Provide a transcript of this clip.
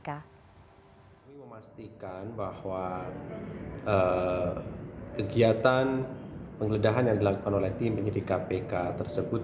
kami memastikan bahwa kegiatan penggeledahan yang dilakukan oleh tim penyidik kpk tersebut